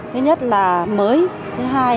thứ nhất là mới thứ hai